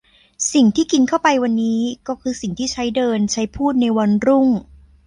สิ่งที่กินเข้าไปวันนี้ ก็คือสิ่งที่ใช้เดินใช้พูดในวันรุ่ง